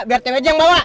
biar tvj yang bawa